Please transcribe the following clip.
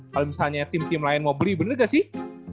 kalau misalnya tim tim lain mau beli bener gak sih